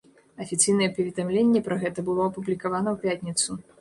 Афіцыйнае паведамленне пра гэта было апублікавана ў пятніцу.